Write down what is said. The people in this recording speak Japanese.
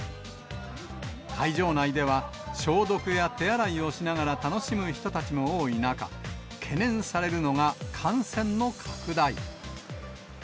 会場内では、消毒や手洗いをしながら楽しむ人たちも多い中、懸念されるのが感染の拡大。